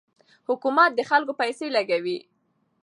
حکومت د خلکو پیسې لګوي.